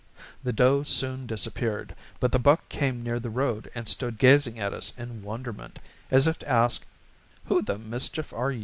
The doe soon disappeared, but the buck came near the road and stood gazing at us in wonderment, as if to ask, "Who the mischief are you?"